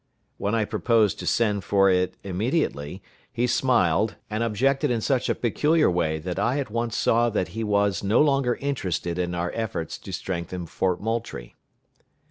When I proposed to send for it immediately, he smiled, and objected in such a peculiar way that I at once saw that he was no longer interested in our efforts to strengthen Fort Moultrie.